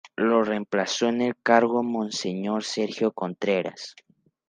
Lo reemplazó en el cargo Monseñor Sergio Contreras.